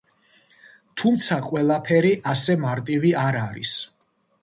თუმცა ყველაფერი ასე მარტივი არ არის.